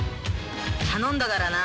頼んだからな」